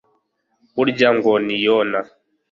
burya ngo ntiyona